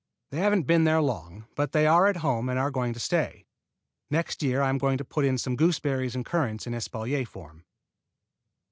They haven't been there long, but they are at home and are going to stay. Next year I am going to put in some gooseberries and currants in espalier form.